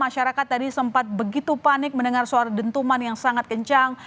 masyarakat tadi sempat begitu panik mendengar suara dentuman yang sangat kencang